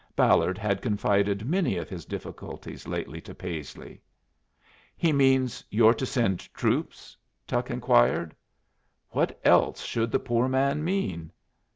Ballard had confided many of his difficulties lately to Paisley. "He means you're to send troops?" Tuck inquired. "What else should the poor man mean?"